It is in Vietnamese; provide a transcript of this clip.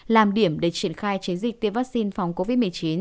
làm điểm để triển khai chiến dịch tiêm vaccine phòng covid một mươi chín